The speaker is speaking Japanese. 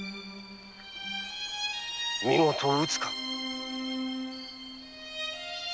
見事討つか。